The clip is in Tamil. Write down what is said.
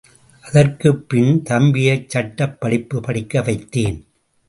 அதற்குப் பின் தம்பியைச் சட்டப் படிப்பு படிக்க வைத்தேன்.